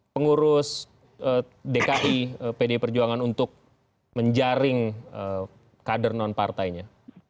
pengurus dki pd perjuangan untuk menjaring kader non partainya